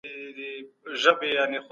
د ماشومانو په وړاندي تاوتریخوالی جرم دی.